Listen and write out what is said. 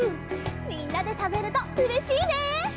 みんなでたべるとうれしいね！